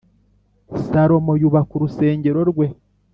salomo yubaka urusengero rwe